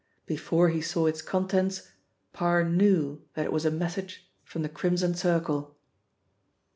Before he saw its contents, Parr knew that it was a message from the Crimson Circle.